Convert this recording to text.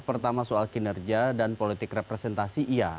pertama soal kinerja dan politik representasi iya